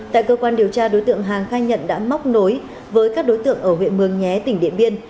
tại cơ quan điều tra đối tượng hàng khai nhận đã móc nối với các đối tượng ở huyện mường nhé tỉnh điện biên